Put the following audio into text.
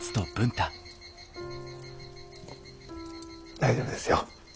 大丈夫ですよ。